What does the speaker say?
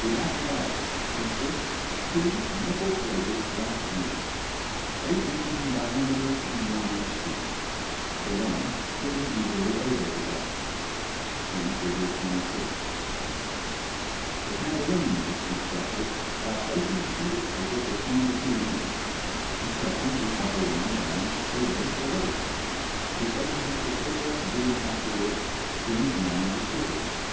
The apparatus consists of two nickel plated brass rings, 8 in. in diameter and 1 in. deep; the one fitting easily over the other (see Fig. 26). The tambourine is constructed by placing a sheet of paper between the two rings, and pressing the upper one down over the lower, the edges of the paper being afterwards trimmed round with scissors.